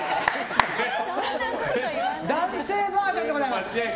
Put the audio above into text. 男性バージョンでございます。